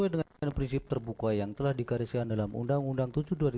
sesuai dengan prinsip terbuka yang telah digariskan dalam undang undang tujuh dua ribu dua